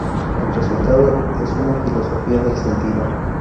El resultado es una Filosofía del sentido.